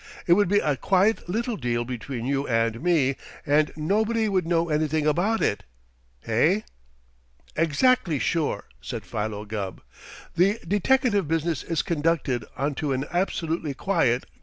It would be a quiet little deal between you and me, and nobody would know anything about it. Hey?" "Exactly sure," said Philo Gubb. "The deteckative business is conducted onto an absolutely quiet Q.